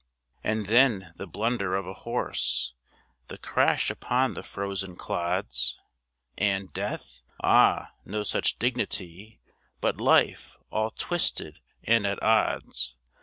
And then the blunder of a horse, The crash upon the frozen clods, And Death? Ah! no such dignity, But Life, all twisted and at odds!